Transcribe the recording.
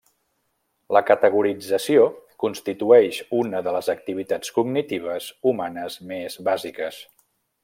La categorització constitueix una de les activitats cognitives humanes més bàsiques.